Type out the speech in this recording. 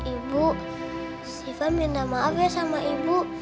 ibu siva minta maaf ya sama ibu